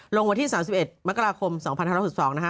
ลงมาที่๓๑มกราคม๒๐๑๒นะคะ